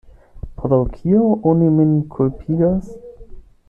Pro kio oni min kulpigas?